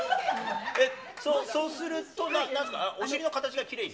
そうすると、お尻の形がきれいに？